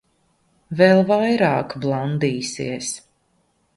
Vēl vairāk blandīsies.